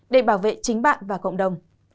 để bảo vệ chính bạn và cộng đồng